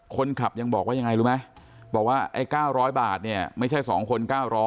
คนขับยังบอกว่ายังไงรู้ไหมบอกว่าไอ้๙๐๐บาทเนี่ยไม่ใช่๒คน๙๐๐